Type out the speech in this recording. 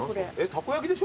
たこ焼きでしょ？